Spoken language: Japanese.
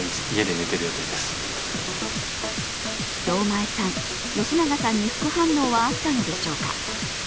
道前さん、吉永さんに副反応はあったのでしょうか。